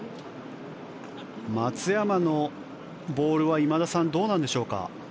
松山のボールは今田さんどうなんでしょうか？